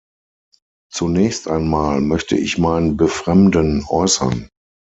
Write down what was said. Zunächst einmal, möchte ich mein Befremden äußern.